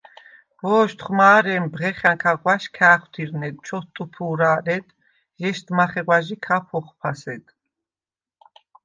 ვო̄შთხვ მა̄რე̄მ ბღეხა̈ნქა ღვაშ ქა̄̈ხვთუ̈რნედ, ჩოთტუფუ̄რა̄ლედ, ჲეშდ მახეღვა̈ჟი ქაფ ოხფასედ;